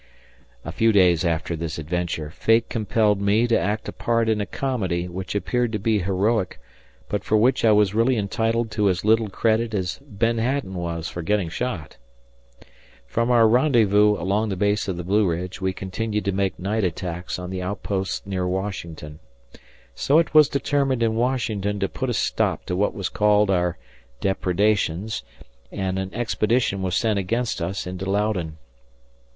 A few days after this adventure, Fate compelled me to act a part in a comedy which appeared to be heroic, but for which I was really entitled to as little credit as Ben Hatton was for getting shot. From our rendezvous along the base of the Blue Ridge we continued to make night attacks on the outposts near Washington. So it was determined in Washington to put a stop to what were called our depredations, and an expedition was sent against us into Loudoun.